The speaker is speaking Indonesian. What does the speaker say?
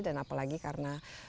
dan apalagi karena memang ya